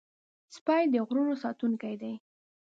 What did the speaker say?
سپي د غرونو ساتونکي دي.